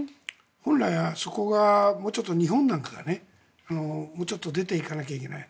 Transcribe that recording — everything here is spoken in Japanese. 本来、そこがもうちょっと日本なんかがもうちょっと出ていかなきゃいけない。